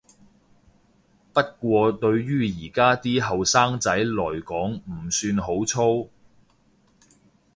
不過對於而家啲後生仔來講唔算好粗